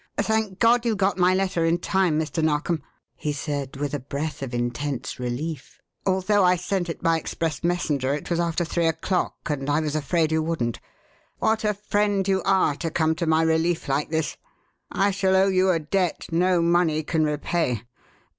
"Thank God, you got my letter in time, Mr. Narkom," he said, with a breath of intense relief. "Although I sent it by express messenger, it was after three o'clock and I was afraid you wouldn't. What a friend you are to come to my relief like this! I shall owe you a debt no money can repay.